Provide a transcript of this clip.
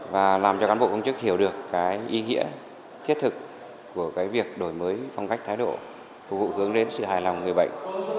và làm cho cán bộ công chức hiểu được cái ý nghĩa thiết thực của việc đổi mới phong cách thái độ phục vụ hướng đến sự hài lòng người bệnh